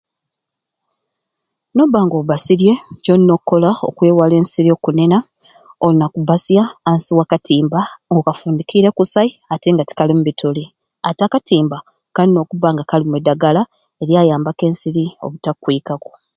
N'obba nga obbasirye kyolina okukola okwewala ensiri okkunena olina kubbasya ansi wa katimba nga okafundikiire kusai ate nga tikalimu bituli ate akatimba kalina okubba nga kalimu eddagala elyayambaku ensiri obutakkwikaku.